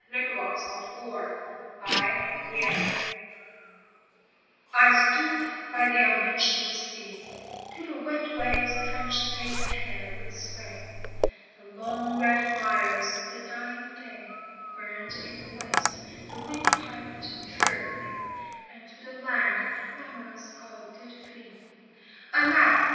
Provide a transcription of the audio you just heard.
VITA NUOVA 1 STOOD by the unvintageable sea Till the wet waves drenched face and hair with spray, The long red fires of the dying day Burned in the west; the wind piped drearily; And to the land the clamorous gulls did flee :" Alas